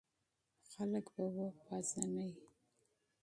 خلک به وپېژنې!